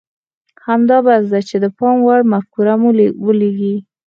همدا بس ده چې د پام وړ مفکوره مو وليکئ.